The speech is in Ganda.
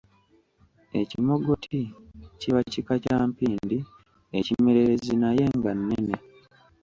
Ekimogoti kiba kika kya mpindi ekimererezi naye nga nnene